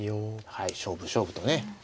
はい勝負勝負とね。